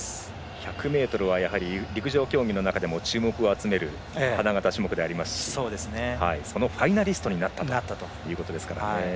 １００ｍはやはり陸上競技の中でも注目を集める花形種目でありますしそのファイナリストになったということですからね。